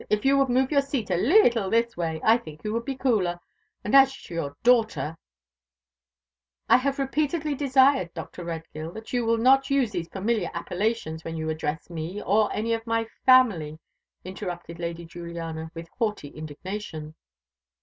If you would move your seat a leettle this way, I think you would be cooler; and as to your daughter " "I have repeatedly desired, Dr. Redgill, that you will not use these familiar appellations when you address me or any of my family," interrupted Lady Juliana with haughty indignation.